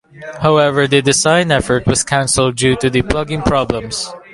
However, the design effort was canceled due to the plugging problems.